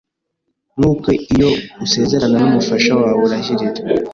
nkuko iyo usezerana numufasha wawe urahirira